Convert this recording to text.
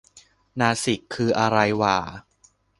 นาสิกคืออะไรหว่า